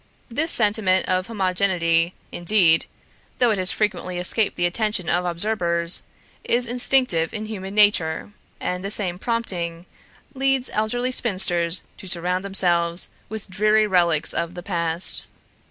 This sentiment of homogeneity indeed, though it has frequently escaped the attention of observers, is instinctive in human nature; and the same prompting leads elderly spinsters to surround themselves with dreary relics of the past.